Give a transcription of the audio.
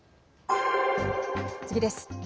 次です。